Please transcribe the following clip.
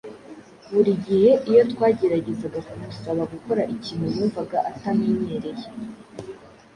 Buri gihe iyo twageragezaga kumusaba gukora ikintu yumvaga atamenyereye